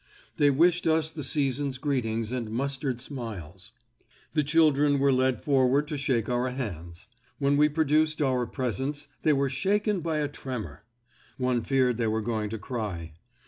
They wished us the season's greetings and mustered smiles. The children were led forward to shake our hands. When we produced our presents, they were shaken by a tremor. One feared they were going to cry.